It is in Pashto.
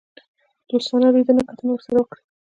دوستانه لیدنه کتنه ورسره وکړي.